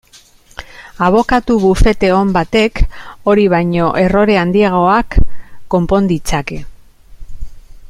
Abokatu bufete on batek hori baino errore handiagoak konpon ditzake.